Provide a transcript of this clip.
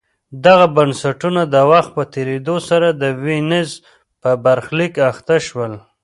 دغه بنسټونه د وخت په تېرېدو سره د وینز په برخلیک اخته شول